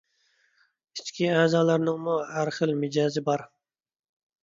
ئىچكى ئەزالارنىڭمۇ ھەر خىل مىجەزى بار.